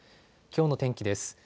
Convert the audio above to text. きょうの天気です。